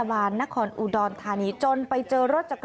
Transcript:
อ๋อเรียกว่าบอกเรียกว่าบอก